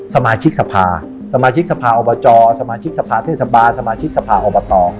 สมาชิกสภาสมาชิกสภาอบจสมาชิกสภาเทศบาลสมาชิกสภาอบต